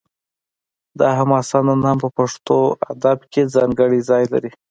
دا حماسه نن هم په پښتو ادب کې ځانګړی ځای لري